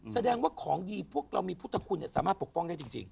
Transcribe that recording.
แสดงว่าของดีพวกเรามีพุทธคุณสามารถปกป้องได้จริง